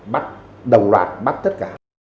bắt đồng loạt bắt tất cả